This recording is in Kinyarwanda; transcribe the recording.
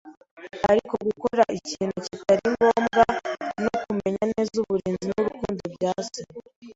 Ariko gukora ikintu kitari ngombwa no kumenya neza uburinzi n’urukundo bya Se